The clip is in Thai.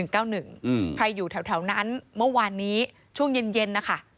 ใครอยู่แถวนั้นเมื่อวานนี้ช่วงเย็นนะคะ